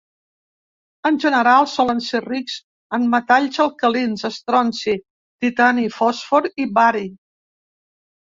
En general solen ser rics en metalls alcalins, estronci, titani, fòsfor i bari.